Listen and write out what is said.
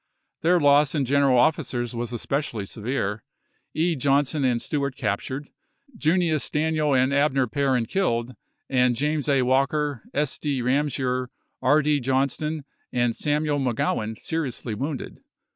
Their loss in general officers was especially severe; E. Johnson and Steuart captured, Junius Daniel and Abner Perrin killed, and James A. Walker, S. D. Eamsem*, R. D. Johnston, and Samuel McGrowan seriously wounded.